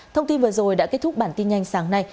thông tin vừa rồi đã kết thúc bản tin nhanh sáng nay